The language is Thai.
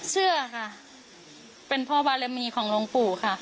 เชื่อค่ะเป็นพ่อบารมีของหลวงปู่ค่ะ